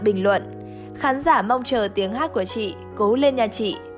bình luận khán giả mong chờ tiếng hát của chị cố lên nhà chị